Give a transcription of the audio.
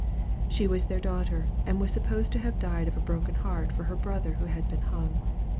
She was their daughter, and was supposed to have died of a broken heart for her brother who had been hung.